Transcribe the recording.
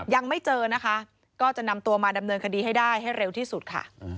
ยังไม่เจอนะคะก็จะนำตัวมาดำเนินคดีให้ได้ให้เร็วที่สุดค่ะ